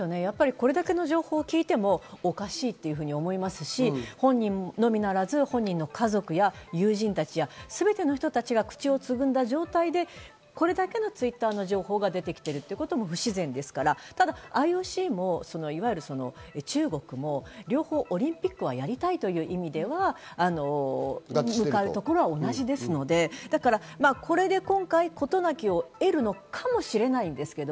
これだけの情報を聞いてもおかしいっていうふうに思いますし、本人のみならず本人の家族や友人たちや全ての人たちが口をつぐんだ状態でこれだけのＴｗｉｔｔｅｒの情報が出てきてるってことが不自然ですから、ＩＯＣもいわゆる中国も両方、オリンピックをやりたいという意味では向かうところは同じですので、これで今回、事なきを得るのかもしれないですけど。